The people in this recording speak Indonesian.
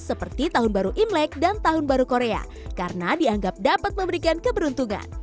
seperti tahun baru imlek dan tahun baru korea karena dianggap dapat memberikan keberuntungan